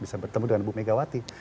bisa bertemu dengan bu megawati